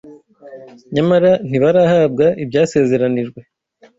nyamara ntibarahabwa ibyasezeranijwe